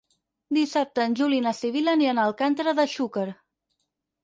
Dissabte en Juli i na Sibil·la aniran a Alcàntera de Xúquer.